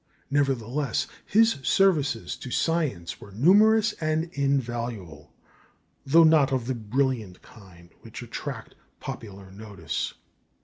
Nevertheless, his services to science were numerous and invaluable, though not of the brilliant kind which attract popular notice.